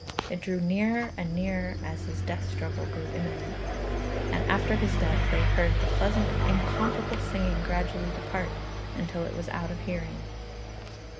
It drew nearer and nearer as his death struggle grew imminent, and after his death they 'heard the pleasant incomparable singing gradually depart, until it was out of hearing.'